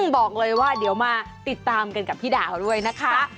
บอกเลยว่าเดี๋ยวมาติดตามกันกับพี่ดาวด้วยนะคะ